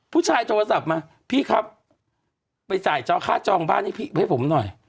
ผู้ชายโทรศัพท์มาพี่ครับไปจ่ายเจ้าค่าจองบ้านให้พี่ไว้ให้ผมหน่อย